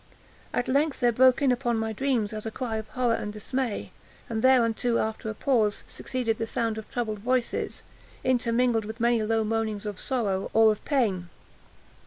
At length there broke in upon my dreams a cry as of horror and dismay; and thereunto, after a pause, succeeded the sound of troubled voices, intermingled with many low moanings of sorrow or of pain.